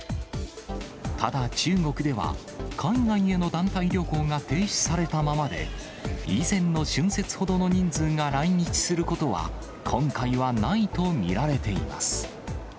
ただ、中国では、海外への団体旅行が停止されたままで、以前の春節ほどの人数が来日することは、今回はないと見られています。